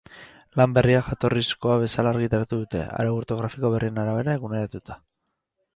Lan berria jatorrizkoa bezala argitaratu dute, arau ortografiko berrien arabera eguneratuta.